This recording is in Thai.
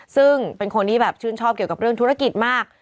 ซึ่งเป็นคนที่แบบชื่นชอบเกี่ยวกับเรื่องธุรกิจมาก